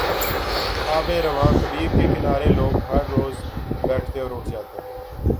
آب روان کبیرکے کنارے لوگ ہر روز بیٹھتے اور اٹھ جاتے ہیں۔